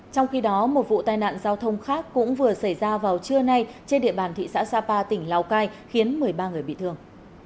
trong khi đó một vụ tai nạn giao thông khác cũng vừa xảy ra vào trưa nay trên địa bàn thị xã sapa tỉnh lào cai khiến một mươi ba người bị thương